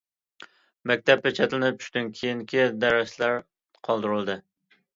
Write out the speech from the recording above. مەكتەپ پېچەتلىنىپ، چۈشتىن كېيىنكى دەرسلەر قالدۇرۇلدى.